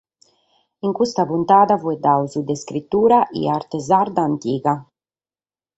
In custa puntada faeddamus de iscritura e arte sarda antiga.